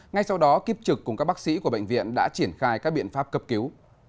ngay sau đó kiếp trực cùng các bác sĩ của bệnh viện đã triển khai các biện pháp cấp cứu